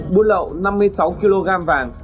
buôn lậu năm mươi sáu kg vàng